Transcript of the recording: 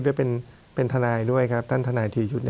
ด้วยเป็นทนายด้วยครับท่านทนายทียุทธ์